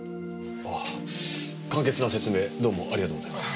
あ簡潔な説明どうもありがとうございます。